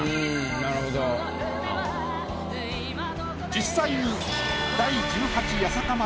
実際に。